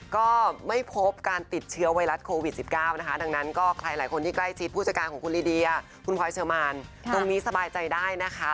ก็ไม่พบการติดเชื้อไวรัสโควิด๑๙นะคะดังนั้นก็ใครหลายคนที่ใกล้ชิดผู้จัดการของคุณลีเดียคุณพลอยเชอร์มานตรงนี้สบายใจได้นะคะ